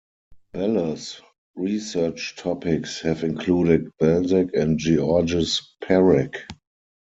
Bellos' research topics have included Balzac and Georges Perec.